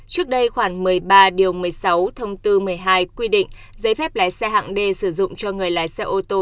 trước đây khoảng một mươi ba một mươi sáu một mươi hai quy định giấy phép lái xe hạng d sử dụng cho người lái xe ô tô